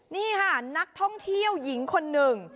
นี่ค่ะนักท่องเที่ยวหญิงคนหนึ่ง